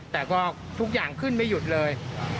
แต่ก็ทุกอย่างขึ้นไม่หยุดเลย